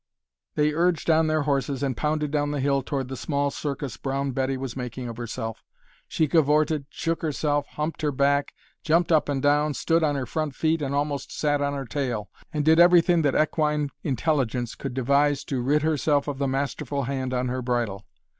They urged on their horses and pounded down the hill toward the small circus Brown Betty was making of herself. She cavorted, shook herself, humped her back, jumped up and down, stood on her front feet and almost sat on her tail, and did everything that equine intelligence could devise to rid herself of the masterful hand on her bridle.